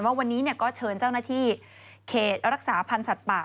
ว่าวันนี้ก็เชิญเจ้าหน้าที่เขตรักษาพันธ์สัตว์ป่า